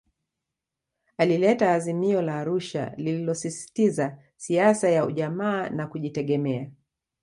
Alileta Azimio la Arusha lililosisitiza siasa ya Ujamaa na Kujitegemea